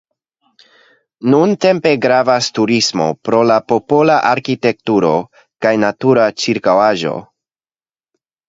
Nuntempe gravas turismo pro la popola arkitekturo kaj natura ĉirkaŭaĵo.